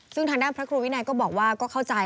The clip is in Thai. ซึ่งทางด้านพระครูวินัยก็บอกว่าก็เข้าใจ